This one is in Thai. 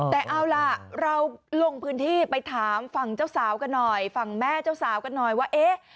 แต่เอาล่ะเราลงพื้นที่ไปถามฝั่งเจ้าสาวกันหน่อยฝั่งแม่เจ้าสาวกันหน่อยว่าเอ๊ะ